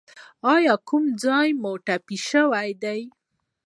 ایا کوم ځای مو ټپي شوی دی؟